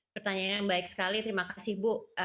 pertanyaannya yang baik sekali terima kasih bu